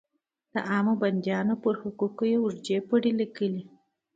د عامو بندیانو په حقوقو یې اوږدې پرپړې لیکلې.